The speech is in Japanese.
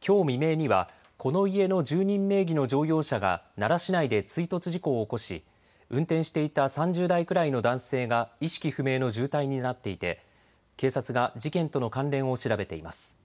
きょう未明にはこの家の住人名義の乗用車が奈良市内で追突事故を起こし運転していた３０代くらいの男性が意識不明の重体になっていて警察が事件との関連を調べています。